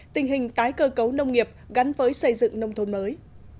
tình hình tái cơ cấu nông nghiệp gắn với xây dựng nông thôn mới